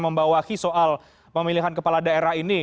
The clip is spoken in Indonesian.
membawahi soal pemilihan kepala daerah ini